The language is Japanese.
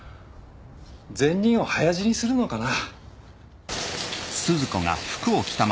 善人は早死にするのかな？